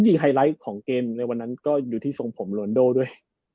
ซึ่งไฮไลท์ของเกณฑ์ในนั้นอยู่ที่ทรงผมรวนด้วย